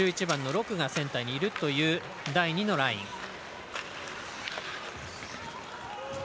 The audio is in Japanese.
１１番のロクがセンターにいるという第２のライン。